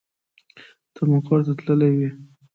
ته مقر ته تللې وې.